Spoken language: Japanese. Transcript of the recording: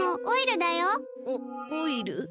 オオイル？